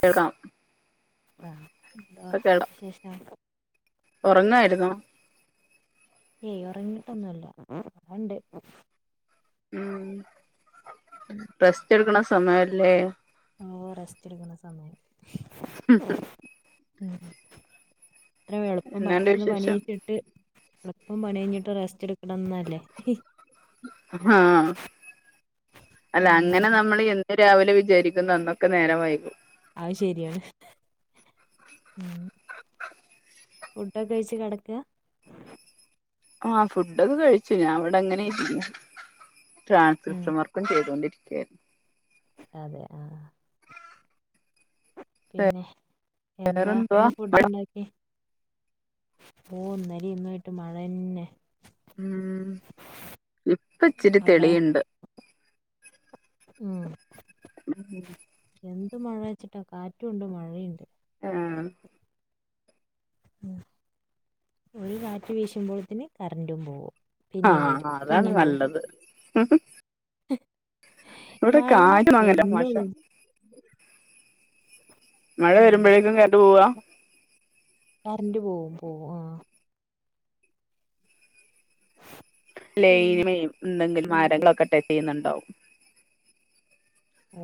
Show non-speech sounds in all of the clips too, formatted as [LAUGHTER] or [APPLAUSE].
കേൾക്കാം ആ എന്തോ ഇപ്പ കേൾക്കാം വിശേഷം ക്കോ ഉറങ്ങായിരുന്നോ..? ഏയ് ഉറങ്ങിട്ടൊന്നുല്ല ഇവിടെണ്ട് ഉം റസ്റ്റ് എടുക്കണ സമയല്ലേ? ഓ റെസ്റ്റ് എടുക്കുന്ന സമയം. മ്മ് ഹ ഹ ഉം എത്ര എളുപ്പം എന്നാണ്ട് പെട്ടന്ന് പണി വിശേഷം അഴിച്ചിട്ട് എളുപ്പം പണി കഴിഞ്ഞിട്ട് റസ്റ്റ് എടുക്കണംന്നല്ലേ? ആഹ് അല്ല ഉം അങ്ങനെ അതെ നമ്മൾ രാവിലെ വിചാരിക്കുന്നു അന്നൊക്കെ നേരം വൈകും അത് ശരിയാണ് ഉം ഫുഡൊക്കെ കഴിച്ച് കിടക്ക? ആഹ് ഫുഡൊക്കെ കഴിച്ചു ഞാൻ ഇവിടെ അങ്ങനെ ഇരുന്ന് ഉം ട്രാൻസ്ക്രിപ്ഷൻ വർക്കും ചെയ്തുകൊണ്ടിരിക്കയായിരുന്നു. അതെ ആഹ് പിന്നെ എന്താ വേറെന്തുവാ ഇന്ന് ഫുഡ് ഉണ്ടാക്കി ഓ ഇന്നലെയും ഇന്ന് ആയിട്ട് മഴന്നെ ഉം ഇപ്പ ഇച്ചിരി അവിടെ തെളിയുണ്ട് ഉ ഉം എന്ത് മഴ വെച്ചിട്ടാ കാറ്റും ഉണ്ട് മഴയുണ്ട്. ആഹ് ഒരു കാറ്റ് വീശുമ്പോഴത്തിന് കറണ്ടും പോകും. ആഹ് അതാണ് നല്ലത് ഇവിടെ മഴ കാറ്റും അങ്ങനെ വെരുന്നൊള്ളൂ മോശം മഴ വരുമ്പോഴേക്കും കരണ്ട് പോവാ കറന്റ് പോവും പോവും ആ ലൈന് പിന്നെ മ്മേ എന്തെങ്കിലും വേറെ മരങ്ങളൊക്കെ ടച്ച് ചെയ്യുന്നുണ്ടാവും.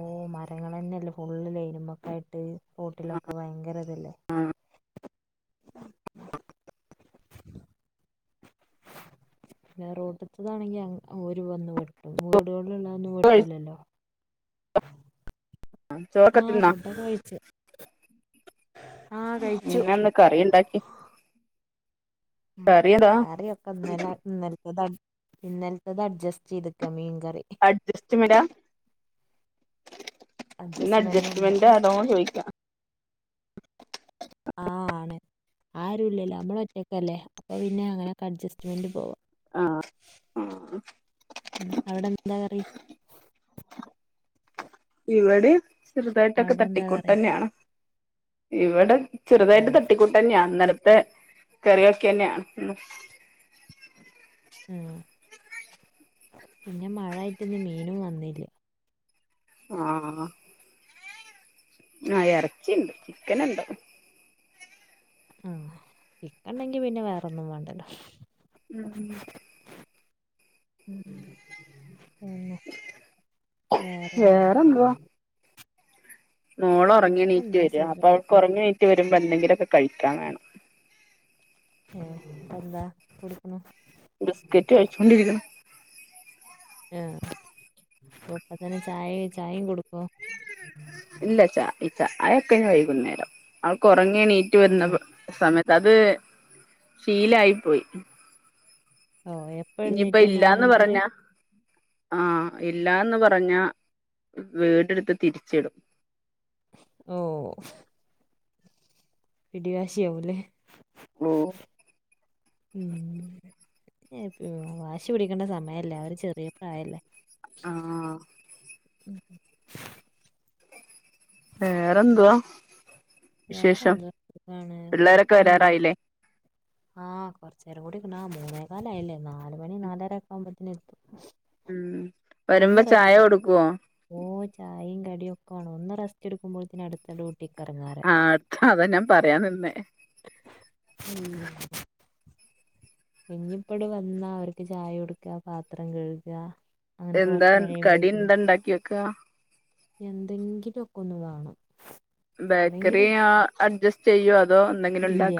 ഓഹ് മരങ്ങളന്നെ അല്ലെ ഫുള്ള് ലൈനമ്മക്ക് ആയിട്ട് റോട്ടിലൊക്കെ ഭയങ്കര ഇതല്ലേ. പിന്നെ റോട്ട്ത്തതാണെങ്കി അങ്ങ് ഓര് വന്നു വെട്ട് ട്ടും വീടുകളില്ള്ളൊന്നും ആഹ് വെട്ടൂലല്ലോ ചോറൊക്കെ ആഹ് തിന്നാ ഫുഡൊക്കെ കഴിച്ചു ആഹ് കഴിച്ചു എന്താന്ന് കറി ഇണ്ടാക്കിയേ? എന്താ കറിയൊക്കെ ഇന്നലെ ഇന്നലത്തത് അഡ് ഇന്നലത്തത് അഡ്ജസ്റ്റ് ചെയ്തക്കാ മീന് അഡ്ജസ്റ്റ്മ്മെലാ ഇന്ന് അഡ്ജസ്റ്റ്മെന്റ് ആണോ ചോയിക്കാ ആഹ് ആണ് ആരു ഇല്ലല്ലോ അമ്മള് ഒറ്റയ്ക്കല്ലേ അപ്പൊ പിന്നെ അങ്ങനൊക്കെ അഡ്ജസ്റ്റ്മെന്റ് പോവാ ആഹ് ആഹ് അവിടെന്താ കറി ഇവിടെയും ചെറുതായിട്ടൊക്കെ അവിടെ എന്താ കറി തട്ടിക്കൂട്ടെന്നെയാണ് ഇവിടെ ഓ ചെറുതായിട്ട് തട്ടിക്കൂട്ടെന്നെയാ ഇന്നലും ത്തെ കറിയൊക്കെന്നെയാണ് ഇന്നും മ് പിന്നെ മഴായിട്ട് ഇന്ന് മീനും വന്നില്ല. ആ ആഹ് ആ എറച്ചിയിണ്ട് ചിക്കന്ണ്ട്. മ് ചിക്കണ്ടെങ്കി പിന്നെ വേറോന്നും വേണ്ടല്ലോ. മ് മ് മ് വേറെന്തുവാ. മോളോറങ്ങി എണീറ്റ് വേറെന്താ വരിയ അപ്പ അവൾക്ക് സുഖായിരിക്കുന്നു ഒറങ്ങി എണീറ്റ് വരുമ്പോ എന്തെങ്കിലൊക്കെ കഴിക്കാൻ വേണം. ഏഹ് അപ്പ എന്താ [UNINTELLIGIBLE] ബിസ്ക്കറ്റ് കഴിച്ചോണ്ടിരിക്കണ് എഹ് ഒപ്പ തന്നെ ചായെ ചായയും കൊടു ഇല്ല ചാ ഈച്ച അതൊക്കെ ഇനി വൈകുന്നേരം അവൾക്ക് ഉറങ്ങെണീ റ്റു വരുന്ന വ് ആഹ് സമയത്ത് അത് ശീലായി പോയി. ഓഹ് എപ്പ ഇനിയിപ്പ എഴുന്നേറ്റ് വന്നാളുംമ്പ ഇല്ലാന്ന് അങ്ങനെ തന്നെ. പറഞ്ഞ ആഹ് ഇല്ലാന്ന് പറഞ്ഞ വീടെടുത്ത് തിരിച്ചിടും. ഓഹ് പിടി വാശിയാവുലെ [UNINTELLIGIBLE] മ് പ് വാശി പിടിക്കണ്ട സമയല്ലേ, അവര് ചെറിയ പ്രായല്ലേ. ആ ആഹ് ഉം പേറെന്തുവാ? വിശേഷം വേറെന്താ സുഖാണ് പിള്ളേരൊക്കെ കൊഴപ്പൊന്നുല്ല വരാറായില്ലേ? ആഹ് കൊറച്ചേരം കൂടി [UNINTELLIGIBLE] മൂന്നേ കാലയില്ലേ നാല് മണി നാലര ഒക്കെ ആവുമ്പോത്തിന് എത്തും. മ് ഒന്നു [UNINTELLIGIBLE] ഓഹ് ചായയും ക ഒന്ന് റസ്റ്റ് എടുക്കുംപോ അടുത്ത ഡ്യൂട്ടി ആ അതാ ഞാൻ പറയാൻ നിന്നെ ഉം ഇഞ്ഞിപ്പടെ വന്നാ അവർക്ക് ചായ കൊടുക്ക പാത്രം കഴുക എന്താ കടി എന്താ ഇണ്ടാക്കി വെക്കാ എന്തെങ്കിലൊക്കെന്നു വേണം ബേക്കറി അല്ലെങ്കില് അഡ്ജസ്റ്റ് ചെയ്യുവ ഇല്ല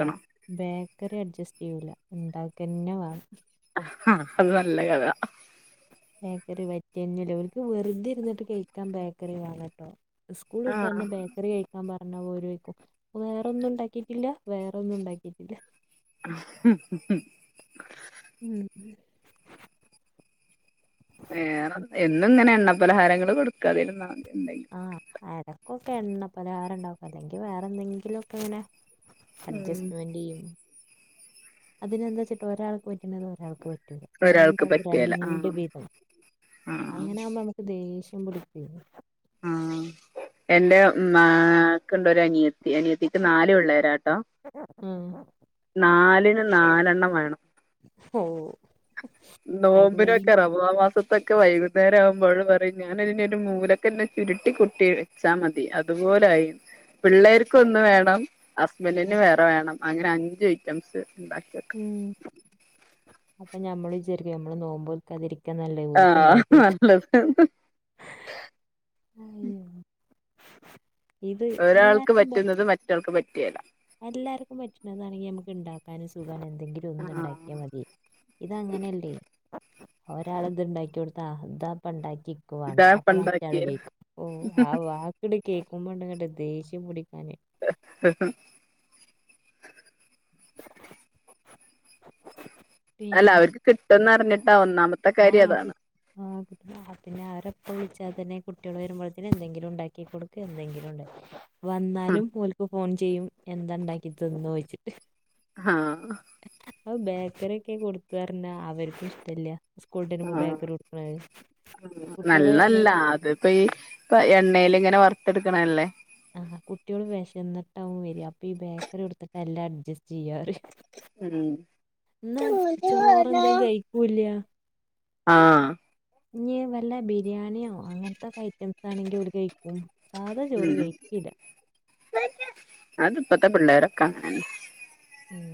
ബേക്കറി അഡ്ജസ്റ്റ് ചെയ്യൂല ഇണ്ടാക്കന്നെ വേണം ആഹ് അത് നല്ല കഥ ബേക്കറി പറ്റന്നില്ലേ അവർക്ക് വെറുതെ ഇരുന്നിട്ട് കഴിക്കാൻ ബേക്കറി വേണട്ടോ സ്കൂളിട്ട് ആഹ് വന്ന് ബേക്കറി കഴിക്കാൻ പറഞ്ഞാൽ പറഞ്ഞാ ഓര് ചോയിക്കും വേറെ ഒന്നും ഉണ്ടാക്കിട്ടില്ല വേറെന്നും ഉണ്ടാക്കിട്ടില്ല മ് ഹ് ഹു മ് വേറെ എന്നും ഇങ്ങനെ എണ്ണ പലഹാരങ്ങൾ കൊടുക്കാതിരുന്നാ എന്തെങ്കിലും ആഹ് [UNINTELLIGIBLE] എടക്കൊക്കെ എണ്ണ പലഹാര ഉണ്ടാവും അല്ലെങ്കിൽ വേറെ എന്തെങ്കിലും ഒക്കെ ഇങ്ങനെ ഉം അഡ്ജസ്റ്റ്മെന്റ് ചെയ്യും അതിനെന്താ ച്ചട്ട് ഒരാൾക്ക് പറ്റണ്ടത് ഒരാൾക്ക് പറ്റൂല ഒരാൾക്ക് രണ്ടൾക്ക് പറ്റിയേല രണ്ട് ആഹ് വീതം ആഹ് അങ്ങനെ ആകുമ്പോ നമുക്ക് ദേഷ്യം ഇ പുടു പേമി ആ എന്റെ മ്മാ എനിക്ക് ണ്ടൊരു അനിയത്തി അനിയത്തിക്ക് നാല് പിള്ളാരാട്ടോ ഉം നാലിന് നാലെണ്ണം വേണം ഓഹ് നോമ്പിനൊക്കെ റമളാ മാസ തൊക്കെ വൈകുന്നേരം ആവുമ്പോൾ പറയും ഞാനതിന ഒരു മൂലൊക്കെെ ചുരുട്ടി.. കുട്ടി വെച്ചാമതി അതുപോ ഓലായി പിള്ളേർ കൊന്നു വേണം ഹസ്ബന്റിന് വേറെ വേണം അങ്ങനെ അഞ്ച് ഐറ്റംസ് ബാക്കിക്ക അപ്പ നമ്മൾ വിചാരിക്കും നമ്മൾ നോമ്പോൽക്കാതിരി ഒക്കെ നല്ലേ ആഹ് ഒലുക്ക്ണ്ടായി കൊടുക്ക നല്ലത് ഹ് അയ്യോ ഇത് ഒരാൾക്ക് എല്ലാർക്കും പ പറ്റുന്നത് മറ്റാൾക്ക് പറ്റേല്ല എല്ലാർക്കും പറ്റണതാണെങ്കിൽ നമുക്ക് ഉണ്ടാക്കാനൊരു സു ഞാൻഎന്തെങ്കിലും ഒന്ന് ണ്ടാക്കിയാൽ ആഹ് മതി ഇതങ്ങനെയല്ലേ ഒരാൾ ഇത്ണ്ടാക്കി കൊടുത്താ ഇതാപ്പം ണ്ടാക്യെ ത് ഇൻക് വാണ്ട ഇതാ ഇപ്പ അപ്പൊ മറ്റയാൾ ഇണ്ടാക്കിയെ കേൾക്കും ഓ ആ വാക്ക്ങ്ങട്ട് കേൾക്കുമ്പോങ്ങട്ട് ദേഷ്യം പിടക്കു [UNINTELLIGIBLE] [UNINTELLIGIBLE] അല്ല അവർക്ക് കിട്ടുമന്ന് അറിഞ്ഞിട്ട് ആഹി കിട്ടി ആ കിട്ട പിന്നെ ആര കുളിച്ചാൽ തന്നെ കുട്ടികൾ വരുമ്പോഴത്തന് എന്തെങ്കിലും ഉണ്ടാക്കി കൊടുക്ക എന്തെങ്കിലും ഉണ്ടാകിക്ക വന്നാലും ഓൽക്ക് ഫോൺ ചെയ്യും എന്താ ഉണ്ടാക്കി തിന്നോയിചിട്ട് ആഹ ഹ അ ബേക്കറി ഒക്കെ കൊടുക്കർഞ്ഞ അവർക്കും ഇഷ്ടല്ല സ്കൂൾട്ടര്മ്പം ബേക്കറി കൊടുക്കണത് ഉ കുട്ടികള് നല്ലതല്ല വെ- അത്പ്പ ഈ ഇപ്പ എണ്ണേൽ ഇങ്ങനെ വറുത്തെടുക്കണല്ലേ ആഹ് കുട്ടികള് വിശന്നിട്ടാവും വര അപ്പൊ ഈ ബേക്കറി കൊടുത്തിട്ടല്ല എ അഡ്ജസ്റ്റ് ചെയ്യാപറിം ഉം എന്നാ ചോറെന്തേം കഴിക്കൂല്ല ആഹഹ് ഇഞ്ഞി വല്ല ബിരിയാണിയോ അങ്ങനത്തോക്കെ കയി എന്താണെങ്കിലും ഓല് കഴിക്കും സാധാ ചോറ് ഉം കഴിക്കില്ല പ്പ്ം പിള്ളേരൊക്കെ അങ്ങനെന്നെ മ്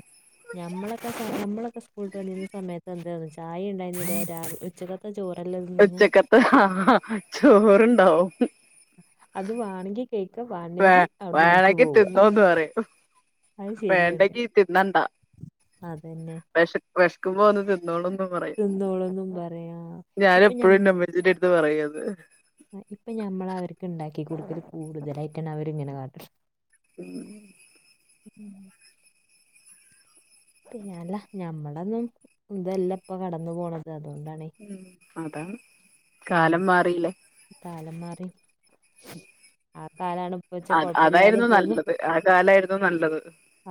നമ്മളൊക്കെ നമ്മളൊക്കെ സ്കൂളിട്ട് വന്നിരുന്ന സമയത്ത് എന്തായാലും കഴിച്ചും ചായിണ്ടായിനിലെ രാ ഉച്ചകത്തെ ചോറ് ഉച്ചക്കത്തെ ആഹാ ചോറുണ്ടാവും അത് വേണെങ്കി കഴിക്കും വേ വേണങ്കി തിന്നോന്ന് പറയും അത് ശരിയാണ് വേണ്ടെങ്കി തിന്നണ്ടാ അതന്നെ വെഷ് വെഷ്ക്കുമ്പോ വന്ന് തിന്നോളും പ്പം പറയാ തിന്നോളൂന്നും പറയാ ഞാന ഇപ്പൊ ഞമ്മ എപ്പോഴും ന്റെമ്മച്ചിന്റെ എടുത്ത് പറയും അത് ഇപ്പൊ ഞമ്മള് അവർക്ക് ഉണ്ടാക്കി കൊടുക്കൽ കൂടുതലായിട്ടാണ് അവർങ്ങനെ കാട്ട് ണത് മ് ഉം മ് പിന്നെല്ല ഞമ്മടൊന്നും ഇതെല്ലാം ഇപ്പ കടന്നു പോണത് അതുകൊണ്ടാണ് ഉം അതാ ഉം കാലം മാറിയില്ലേ കാലം മാറി ആ കാലാണ് ഇപ്പ വെച്ച അത് കൊഴപ്പില്ലാതെ അതായിരുന്നു പോയിന്ന് നല്ലത് ആ കാലായിരുന്നു നല്ലത്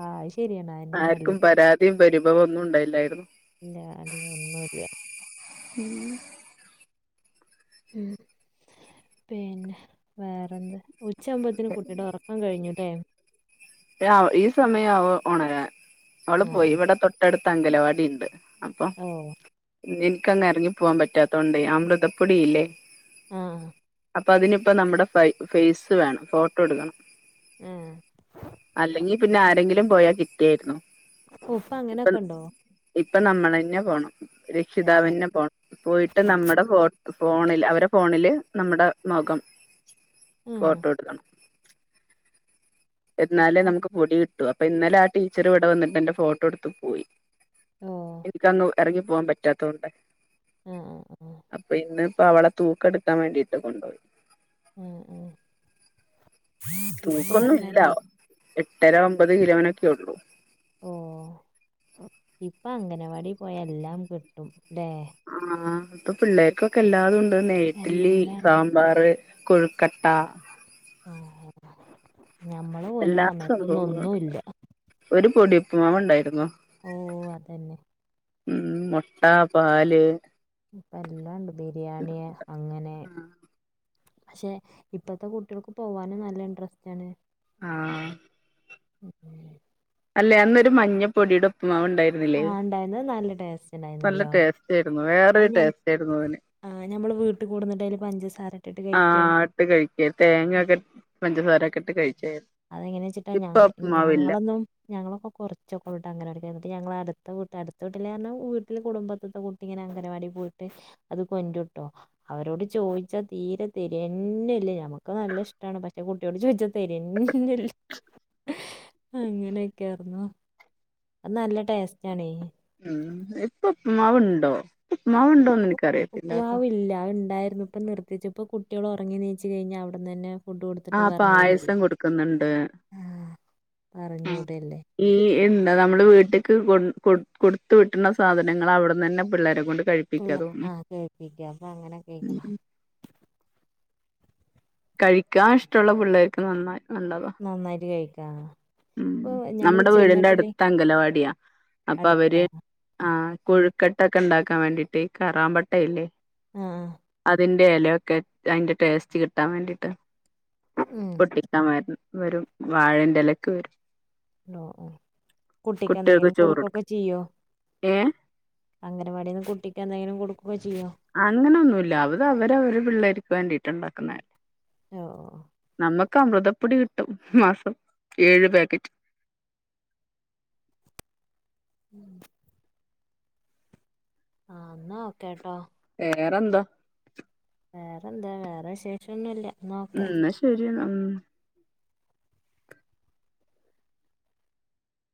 ആഹ് അത് ശരിയാണ് അതന്നെ ആർക്കും നല്ലത് പരാതിയും പരിഭവം ഒന്നും ഉണ്ടായില്ലായിരുന്നു ഇല്ല അല്ല ഒന്നുല്ല ഉം ഉം പിന്നെ വേറെന്താ ഉച്ചാകവുംപോഴത്തിന് കുട്ടീടെ ഉറക്കം കഴിഞ്ഞൂല്ലേ ഈ സമയം ആവും ഉണരാൻ അവള് പോയി ആഹ് ഇവിടെ തൊട്ടടുത്ത് അങ്കലവാടിണ്ട് അപ്പൊ ഓ എനിക്കങ്ങ് ഇറങ്ങി പോവാൻ പറ്റാത്തോണ്ട് അമൃതപ്പൊടിയില്ലേ ആഹ് അപ്പൊ അതിനിപ്പ നമ്മടെ ഫേസ് വേണം ഫോട്ടോ എടുക്കണം ഏഹ് അല്ലെങ്കിൽ പിന്നെ ആരെങ്കിലും പോയാൽ കിട്ടിയായിരുന്നു ഉഫ ഇപ്പൊ അങ്ങനെയൊക്കെ ഉണ്ടോ ഇപ്പൊ നമ്മളന്നെ പോണം തന്നെ രക്ഷിതാവന്നെ പോണം പോയിട്ട് നമ്മടെ ഫോ ഫോണില് അവരെ ഫോണില് നമ്മടെ മോഖം ആഹ് ഫോട്ടോ എടുക്കണം എന്നാലേ ഇപ്പ നമക്ക് പൊടി കിട്ടു അപ്പൊ ഇന്നലെ ആ ടീച്ചർ ഇവിടെ വന്നിട്ട് എന്റെ ഫോട്ടോ എടുത്ത് പോയി ഓ എനിക്കന്ന് ഇറങ്ങി പോവാൻ പറ്റാത്ത തൊണ്ട് ആഹ് ആഹ് അപ്പൊ ഇന്ന് പ്പ അവളെ തൂക്കെടുക്കാൻ വേണ്ടിട്ട് കൊണ്ടോയി ഏഹ് ഏഹ് തൂക്കൊന്നുല്ല എട്ടര ഒമ്പത് കിലോനൊക്കെ ഉള്ളൂ ഓ ഇപ്പൊ അംഗനവാടി പോയ എല്ലാം കിട്ടും ല്ലേ ആഹ് ഇപ്പൊ പിള്ളേർക്കൊക്കെ എല്ലാതും ഉണ്ട് നെ ഇഡ്ലി എല്ലാണ്ട് സാമ്പാർ കൊയ്ക്കട്ടെ ഓഹ് ഓഹ് ഓഹ് എല്ലാ സംഭവങ്ങളുണ്ട് ഒരു പൊടി ഉപ്പ് മാവ് ഉണ്ടായിരുന്നു ഓഹ് അതന്നെ ഉമ് മൊട്ട പാല് പ്പ എല്ലാണ്ട് ബിരിയാണി അങ്ങനെ പക്ഷെ ഇപ്പത്തെ കുട്ടിൾക്ക് പോവാനും നല്ല ഇൻട്രസ്റ്റ് ആണ് ആഹ് ഉമ് അല്ലെ അന്നൊരു മഞ്ഞ പൊടിയുടെ ഉപ്പ് മാവ് ഉണ്ടായിരുന്നില്ലേ ആ ഉണ്ടായിരുന്നത് നല്ല ടേസ്റ്റ് നല്ല ഉണ്ടായിരുന്നല്ലോ ടേസ്റ്റ് ആയിരുന്നു അത് വേറൊരു ഞ ടേസ്റ്റ് ആയിരുന്നു അതിന് ആ ഞമ്മള് വീട്ടിൽ കൊടുന്നിട്ട് അതില് പഞ്ചസാര ഇട്ടിട്ട് കഴിക്ക ആഹ് ഇട്ട് കഴിക്ക തേങ്ങയൊക്കെ പഞ്ചസാ രയൊക്കെ ഇട്ട് കഴി അതെങ്ങനെയാ വെച്ചിട്ടാ ഞ ഞങ്ങളൊന്നും ഞങ്ങളൊക്കെ കുറച്ചൊക്കെ ഉള്ളു കേട്ടോ അങ്ങനെ ഇടക്ക് എന്നിട്ട് ഞങ്ങള് അടുത്ത വീട്ടി അടുത്ത വീട്ടിലെ എന്ന് പറഞ്ഞാ വീട്ടില് കുടുംബത്തത്തെ കൂട്ടിങ്ങനെ അംഗനവാടിയിൽ പോയിട്ട് അത് കൊണ്ടുരൂട്ടൊ അവരോട് ചോദിച്ചാ തീരെ തരും [UNINTELLIGIBLE] നമുക്ക് നല്ല ഇഷ്ടമാണ് പക്ഷെ കുട്ടിയോട് ചോദിച്ചാ തരൂ [UNINTELLIGIBLE] [UNINTELLIGIBLE] അങ്ങനെയൊക്കെ ആർന്നു അത് നല്ല ടേസ്റ്റ് ആണേ ഉം ഇപ്പൊ ഉപ്പ് മാവുണ്ടോ ഉപ്പ് മാവണ്ടോന്ന് എനക്കറിയത്തില്ലട്ടോ ഇന്ന് ഇപ്പ നിർത്തിച്ചപ്പോ കുട്ടികൾ ഒറങ്ങി നീച്ച് കഴിഞ്ഞാ അവിടന്നന്നെ ആ പായസം കൊടുക്കുന്നണ്ട് ആ പറഞ്ഞു ഉം വിടല്ലേ ഇല്ല എന്താ നമ്മള് വീട്ട്ക്ക് കൊ കൊ കൊടുത്ത് വിട്ടുന്ന സാധനങ്ങൾ അവിടെന്ന് തന്നെ പിള്ളരെ കൊണ്ട് കഴിപ്പിക്കാ പിള്ള ആ തോന്നുന്നു കേൾപ്പിക്ക അപ്പൊ അങ്ങനെ കേൾക്കണ ഉം കഴിക്കാൻ ഇഷ്ടമുള്ള പിള്ളേർക്ക് നന്നായി നല്ലതാ നന്നായിട്ട് കഴിക്കാ ഉം ഞമ്മള് നമ്മുടെ വീടിന്റെ ചെന്നിട്ടില്ലേ അടുത്ത് അംഗലവാടിയാ അപ്പൊ അവര് അടുത്താ ആ ഉം. കൊഴുക്കെട്ടൊക്കെ ഇണ്ടാക്കാൻ വേണ്ടീട്ട് കറാമ്പട്ടല്ലേ ആ ആ ഇലൊക്കെ ഇട്ട് അതിന്റെ ടേസ്റ്റ് കിട്ടാൻ വേണ്ടിട്ട് ഉം. പൊട്ടികാവരും വരും വാഴെന്റെ എലക്ക് വരും ഓ ഓ കുട്ടിക്ക് എന്തെങ്കിലും കൊടുക്കൊക്കെ ചെയ്യോ ഏ അങ്ങനവാടിന്ന് കുട്ടിക്ക് എന്തെങ്കിലും കൊടുക്കൊ അങ്ങനൊന്നുല്ല അത് അവര് അവര് പിള്ളേർക്ക് വേണ്ടിട്ടുണ്ടാക്കുന്നെ ഓ ഓ നമ്മക്ക് അമൃതപ്പൊടി കിട്ടും മാസം ഏഴ് പാക്കറ്റ് [INAUDIBLE] ആ എന്നാ ഓക്കെ ട്ടോ വേറെന്താ വേറെന്താ വേറെ വിശേഷന്നുല്ല ഉം എന്ന ശരിന്നാ